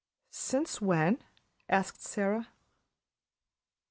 "Since when?" asked Sara.